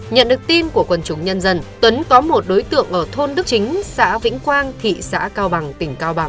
nhận được tin của quần chúng nhân dân tuấn có một đối tượng ở thôn đức chính xã vĩnh quang thị xã cao bằng tỉnh cao bằng